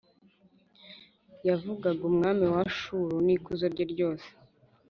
yavugaga umwami wa Ashuru n’ikuzo rye ryose